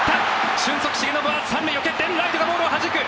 俊足、重信は３塁を蹴ってボールをはじく！